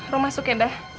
lo masuk ya bang